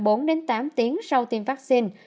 phản ứng xảy ra khoảng bốn tám tiếng sau tiêm vaccine